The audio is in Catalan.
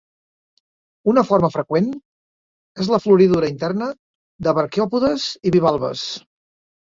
Una forma freqüent és la floridura interna de braquiòpodes i bivalves.